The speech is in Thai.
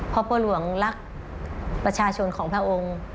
เพราะพ่อหลวงรักประชาชนของพระองค์